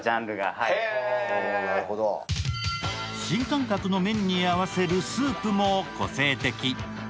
新感覚の麺に合わせるスープも個性的。